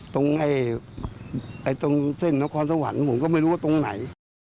ตรงเส้นนครสวรรค์ผมก็ไม่รู้ว่าตรงไหน